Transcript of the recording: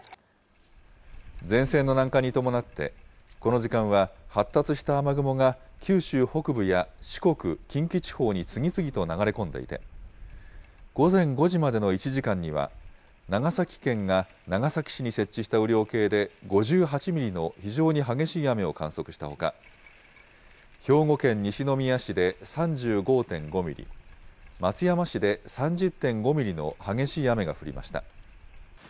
前線の南下に伴って、この時間は発達した雨雲が九州北部や四国、近畿地方に次々と流れ込んでいて、午前５時までの１時間には、長崎県が長崎市に設置した雨量計で５８ミリの非常に激しい雨を観測したほか、兵庫県西宮市で３５．５ミリ、松山市で３０．５ミリの激しい雨が降りました。